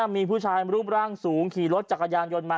มีผู้ชายรูปร่างสูงขี่รถจักรยานยนต์มา